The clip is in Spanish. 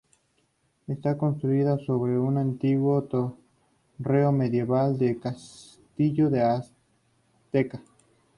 Está construida sobre un antiguo torreón medieval del castillo de Ateca.